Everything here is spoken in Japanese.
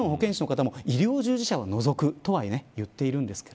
もちろん医療従事者を除くとは言っています。